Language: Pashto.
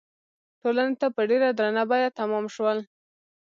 ټولنې ته په ډېره درنه بیه تمام شول.